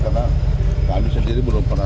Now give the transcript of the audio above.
karena kami sendiri belum pernah